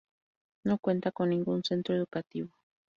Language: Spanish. No cuenta con ningún centro educativo.